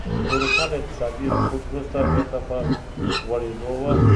اروپا له اقتصادي رکود وروسته بېرته په غوړېدو وه